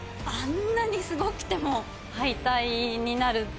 あんなにすごくても敗退になる。